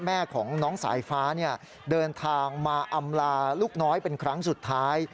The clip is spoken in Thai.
แม่ของน้องสายฟ้าเดินทางมาอำลาลูกน้อยเป็นครั้งสุดท้าย